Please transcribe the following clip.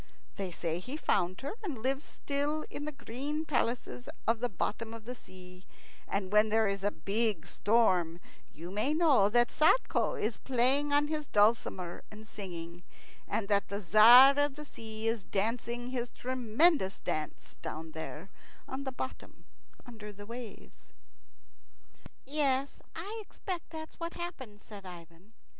They say he found her, and lives still in the green palaces of the bottom of the sea; and when there is a big storm, you may know that Sadko is playing on his dulcimer and singing, and that the Tzar of the Sea is dancing his tremendous dance down there, on the bottom, under the waves." "Yes, I expect that's what happened," said Ivan.